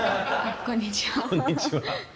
こんにちは。